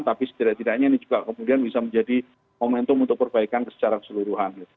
tapi setidak tidaknya ini juga kemudian bisa menjadi momentum untuk perbaikan secara seluruhan